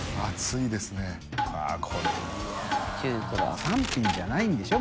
い筺三品じゃないんでしょ？